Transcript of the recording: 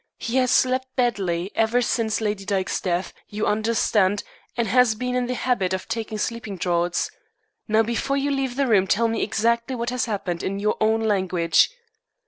He has slept badly ever since Lady Dyke's death, you understand, and has been in the habit of taking sleeping draughts. Now, before you leave the room tell me exactly what has happened, in your own language."